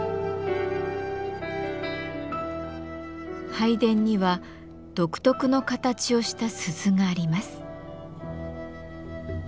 拝殿には独特の形をした鈴があります。